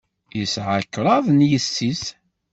Yesɛa kraḍt n yessi-s.